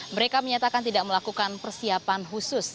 mereka menyatakan tidak melakukan persiapan khusus